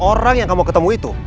orang yang kamu ketemu itu